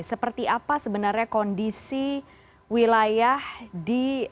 seperti apa sebenarnya kondisi wilayah di